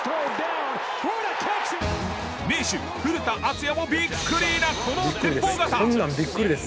名手古田敦也もビックリなこの鉄砲肩！